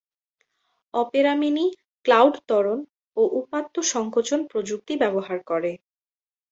Opera Mini cloud ত্বরণ ও উপাত্ত সংকোচন প্রযুক্তি ব্যবহার করে।